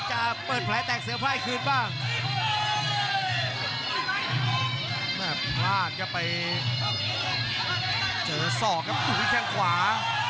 จะไปเจอสอกครับอุ้ยแค่งขวา